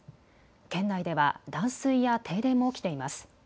県内では断水や停電も起きています。